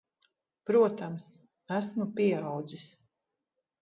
Protams. Esmu pieaudzis.